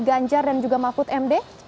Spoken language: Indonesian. ganjar dan juga mahfud md